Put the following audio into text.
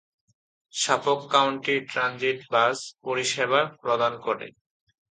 সাফক county transit bus পরিষেবা প্রদান করে।